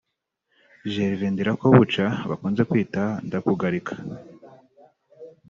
Gervais Ndirakobuca bakunze kwita Ndakugarika